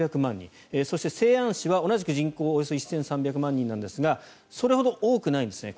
そして、西安市は同じく人口がおよそ１３００万人ですがそれほど多くないんですね。